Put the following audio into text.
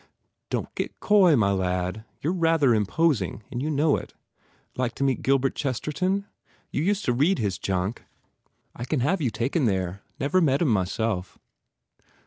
"Don t get coy, my lad! You re rather im posing and you know it. Like to meet Gilbert Chesterton? You used to read his junk. I can 126 MARGOT have you taken there. Never met him, myself.